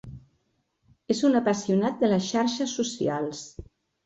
És un apassionat de les xarxes socials.